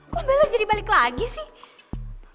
kok besok jadi balik lagi sih